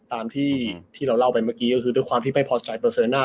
ตามที่เราเล่าไปเมื่อกี้ก็คือด้วยความที่ไม่พอใจเปอร์เซ็นหน้า